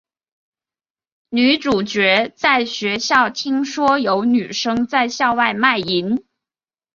女主角在学校听说有女生在校外卖淫。